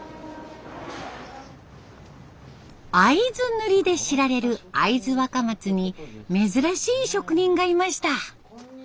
会津塗りで知られる会津若松に珍しい職人がいました。